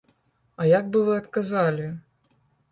А як бы вы адказалі?